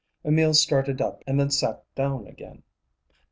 Emil started up and then sat down again.